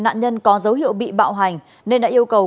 nạn nhân có dấu hiệu bị bạo hành nên đã yêu cầu